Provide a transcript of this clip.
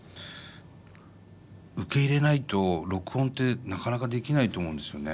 受け入れないと録音ってなかなかできないと思うんですよね。